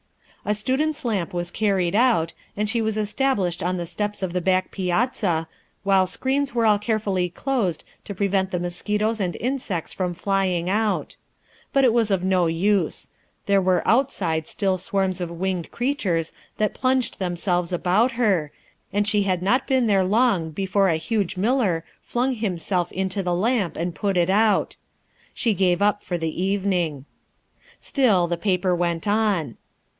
A student's lamp was carried out, and she was established on the steps of the back piazza, while screens were all carefully closed to prevent the mosquitoes and insects from flying out. But it was no use. There were outside still swarms of winged creatures that plunged themselves about her, and she had not been there long before a huge miller flung himself into the lamp and put it out. She gave up for the evening. Still the paper went on.